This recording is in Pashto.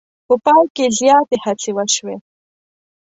په پای کې زیاتې هڅې وشوې.